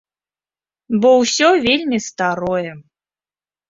Бо ўсё вельмі старое.